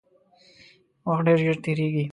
وخت ډیر ژر تیریږي